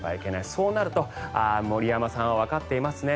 そうなると、ああ、森山さんはわかっていますね。